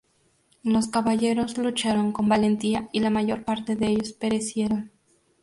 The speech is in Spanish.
Los caballeros lucharon con valentía y la mayor parte de ellos perecieron.